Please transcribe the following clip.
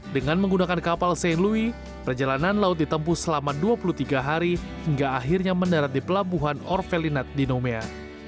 dengan menggunakan kapal sain louis perjalanan laut ditempuh selama dua puluh tiga hari hingga akhirnya mendarat di pelabuhan orvelinat di nomea